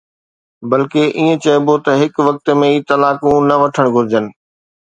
بلڪه ائين چئبو ته هڪ وقت ۾ ٽي طلاقون نه وٺڻ گهرجن